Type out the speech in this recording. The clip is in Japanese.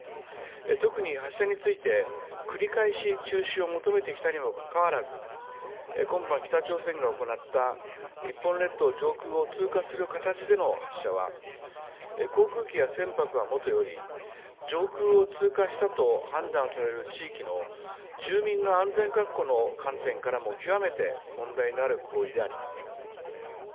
特に発射について、繰り返し中止を求めてきたにもかかわらず、今般、北朝鮮が行った日本列島上空を通過する形での発射は、航空機や船舶はもとより、上空を通過したと判断される地域の住民の安全確保の観点からも極めて問題のある行為であります。